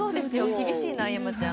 厳しいな山ちゃん。